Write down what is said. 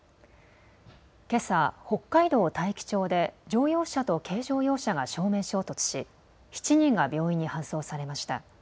けさ北海道大樹町で乗用車と軽乗用車が正面衝突し７人が病院に搬送されました。